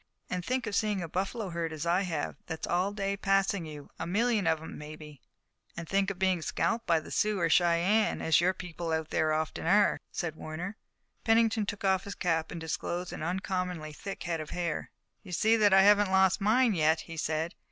And think of seeing a buffalo herd, as I have, that's all day passing you, a million of 'em, maybe!" "And think of being scalped by the Sioux or Cheyennes, as your people out there often are," said Warner. Pennington took off his cap and disclosed an uncommonly thick head of hair. "You see that I haven't lost mine yet," he said.